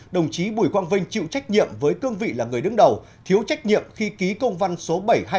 đồng chí bùi quang vinh chịu trách nhiệm với cương vị là người đứng đầu thiếu trách nhiệm khi ký công văn số bảy trăm hai mươi ba